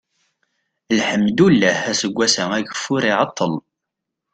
lḥemdullah aseggas-a ageffur iɛeṭṭel